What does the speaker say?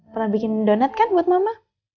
pernah bikin donat kan buat mama